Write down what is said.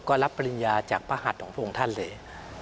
ก็รับปริญญาจากภาพหัสตร์ของพวกท่านเลย